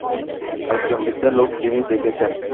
একজন বৃদ্ধ লোক যিনি দেখেছেন!